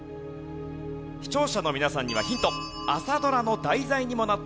視聴者の皆さんにはヒント。